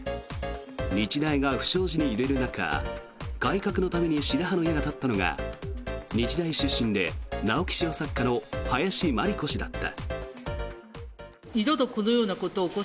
日大が不祥事に揺れる中改革のために白羽の矢が立ったのが日大出身で直木賞作家の林真理子氏だった。